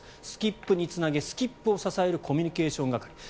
スキップにつなげスキップを支えるコミュニケーション係。